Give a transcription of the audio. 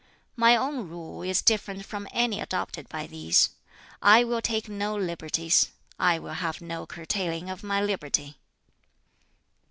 "My own rule is different from any adopted by these: I will take no liberties, I will have no curtailing of my liberty."